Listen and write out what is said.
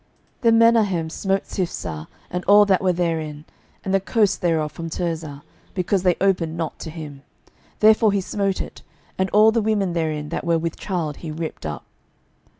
12:015:016 Then Menahem smote Tiphsah, and all that were therein, and the coasts thereof from Tirzah: because they opened not to him, therefore he smote it; and all the women therein that were with child he ripped up.